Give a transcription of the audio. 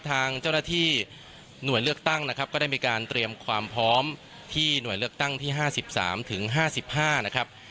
ทางเจ้าหน้าที่หน่วยเลือกตั้งนะครับก็ได้มีการเตรียมความพร้อมที่หน่วยเลือกตั้งที่๕๓ถึง๕๕นะครับ